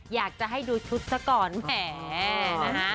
อยากจะให้ดูชุดซะก่อนแหมนะฮะ